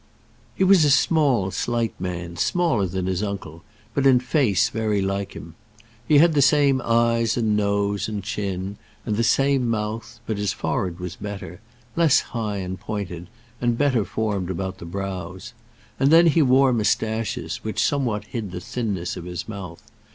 He was a small slight man, smaller than his uncle, but in face very like him. He had the same eyes, and nose, and chin, and the same mouth; but his forehead was better, less high and pointed, and better formed about the brows. And then he wore moustaches, which somewhat hid the thinness of his mouth.